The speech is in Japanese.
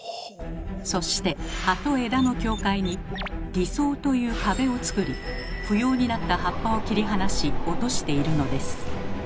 そして葉と枝の境界に「離層」という壁を作り不要になった葉っぱを切り離し落としているのです。